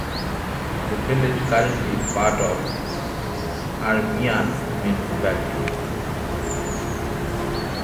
The village currently is part of Armyansk Municipality.